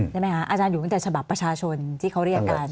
ใช่ไหมคะอาจารย์อยู่ตั้งแต่ฉบับประชาชนที่เขาเรียกกัน